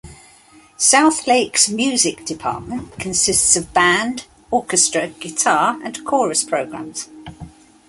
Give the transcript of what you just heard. South Lakes' music department consists of band, orchestra, guitar and chorus programs.